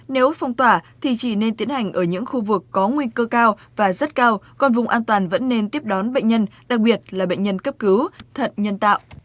nếu phong tỏa thì chỉ nên tiến hành ở những khu vực có nguy cơ cao và rất cao còn vùng an toàn vẫn nên tiếp đón bệnh nhân đặc biệt là bệnh nhân cấp cứu thận nhân tạo